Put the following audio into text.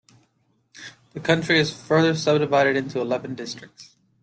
The country is further sub-divided into eleven districts.